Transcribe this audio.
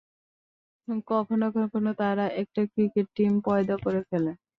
কখনো কখনো তারা একটা ক্রিকেট টিম পয়দা করে ফেলে।